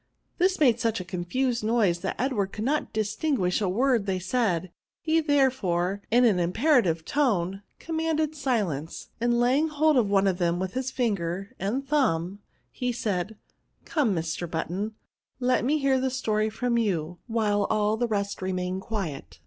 This made snch a confused noise, that Edward could not distinguish a word they said. He, therefore, in an im perative tone, commanded silence ; and, lay ing hold of one of them with his finger and thumb, he said, " Come, Mr. Button, let me hear the story from you, while all the rest remain quiet.